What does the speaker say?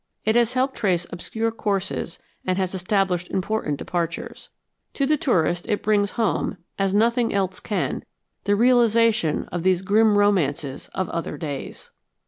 It has helped trace obscure courses and has established important departures. To the tourist it brings home, as nothing else can, the realization of these grim romances of other days.